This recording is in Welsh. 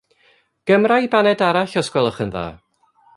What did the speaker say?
Gymra i baned arall os gwelwch yn dda.